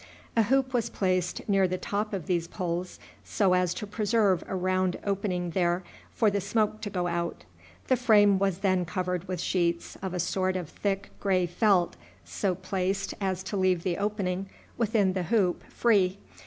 A hoop was placed near the top of these poles, so as to preserve a round opening there for the smoke to go out. The frame was then covered with sheets of a sort of thick gray felt, so placed as to leave the opening within the hoop free.